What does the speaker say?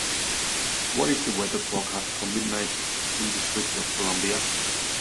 What is the weather forecast for Midnight in District Of Columbia?